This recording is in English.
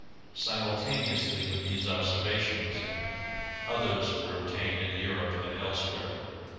Simultaneously with these observations others were obtained in Europe and elsewhere.